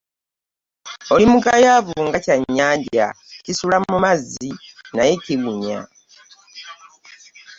Oli mugayaavu nga kyannyanja kisula mu mazzi naye kiwunya.